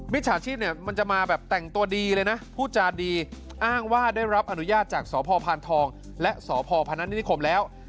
มิตรชาชีพเนี่ยมันจะมาแบบแต่งตัวดีเลยนะผู้จานดีอ้างว่าได้รับอนุญาตจากสพทและสพพนคแล้ว